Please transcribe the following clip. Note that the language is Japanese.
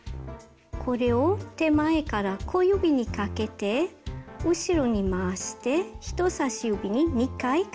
これを手前から小指にかけて後ろに回して人さし指に２回かけます。